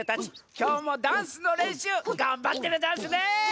きょうもダンスのれんしゅうがんばってるざんすね！